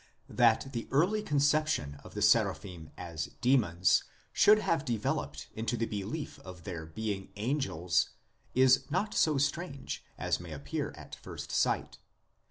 That the early conception of the Seraphim as demons should have developed into the belief of their being angels is not so strange as may appear at first sight.